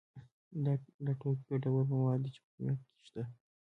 دا توکي ګټور مواد دي چې په طبیعت کې شته.